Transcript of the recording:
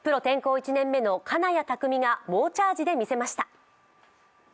１年目の金谷拓実が猛チャージで見せました。